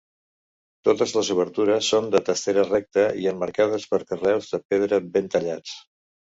Totes les obertures són de testera recta i emmarcades per carreus de pedra ben tallats.